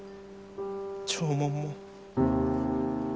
弔問も。